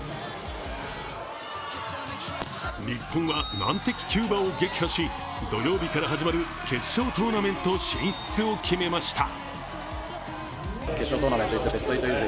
日本は難敵・キューバを撃破し、土曜日から始まる決勝トーナメント進出を決めました。